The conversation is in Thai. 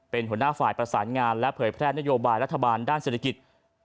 เป็นหัวหน้าฝ่ายประสานงานและเผยแพร่นโยบายรัฐบาลด้านเศรษฐกิจ